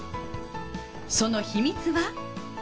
その秘密は。